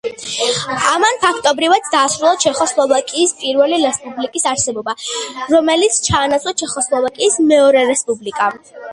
ამან ფაქტობრივად დაასრულა ჩეხოსლოვაკიის პირველი რესპუბლიკის არსებობა, რომელიც ჩაანაცვლა ჩეხოსლოვაკიის მეორე რესპუბლიკამ.